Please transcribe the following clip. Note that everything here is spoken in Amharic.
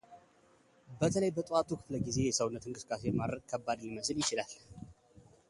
በተለይ በጠዋቱ ክፍለ ጊዜ የሰውነት እንቅስቃሴ ማድረግ ከባድ ሊመስል ይችላል።